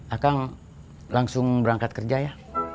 akang langsung berangkat kerja ya